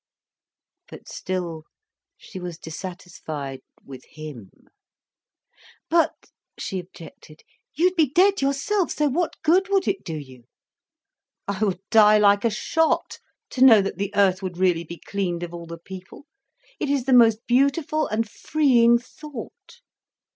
But still, she was dissatisfied with him. "But," she objected, "you'd be dead yourself, so what good would it do you?" "I would die like a shot, to know that the earth would really be cleaned of all the people. It is the most beautiful and freeing thought.